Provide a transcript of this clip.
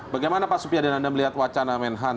bagaimana pak supyadin anda melihat wacana menhan